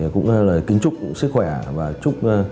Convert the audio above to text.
cũng là kính chúc sức khỏe và chúc